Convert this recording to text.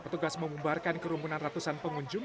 petugas memumbarkan kerumunan ratusan pengunjung